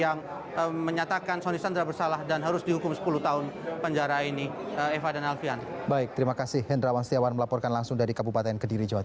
yang menyatakan sony sandra bersalah dan harus dihukum sepuluh tahun penjara ini eva dan alfian